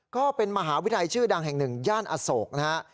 ก็เป็นมหาวิทยาลัยชื่อดังแห่งหนึ่งย่านอโศกนะฮะ